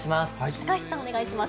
高橋さん、お願いします。